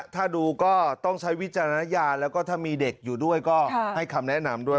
ถ้าดูก็ต้องใช้วิจารณญาณแล้วก็ถ้ามีเด็กอยู่ด้วยก็ให้คำแนะนำด้วย